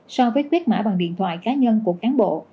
so với quyết mã bằng điện thoại cá nhân của cán bộ